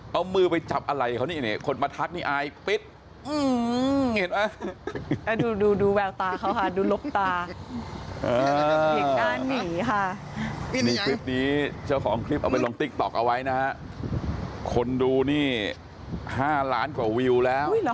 เอามือไปจับอะไหล่เขานี่เห็นไหมคนมาทักอายปิด